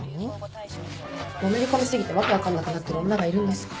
のめり込み過ぎて訳分かんなくなってる女がいるんです。